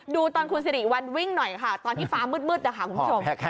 ดูตอนคุณสิริวัลวิ่งหน่อยค่ะตอนที่ฟ้ามืดนะคะคุณผู้ชม